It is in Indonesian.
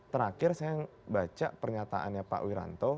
terakhir saya baca pernyataannya pak wiranto